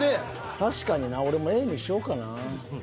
確かにな俺もＡにしようかなぁ。